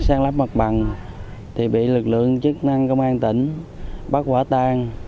săn lấp mặt bằng thì bị lực lượng chức năng công an tỉnh bắt quả tăng